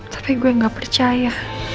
tapi gue gak percaya